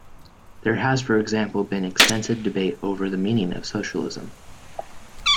There has for example, been extensive debate over the meaning of socialism.